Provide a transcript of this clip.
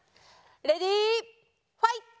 レディーファイト！